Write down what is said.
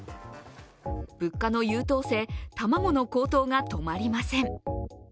物価の優等生、卵の高騰が止まりません。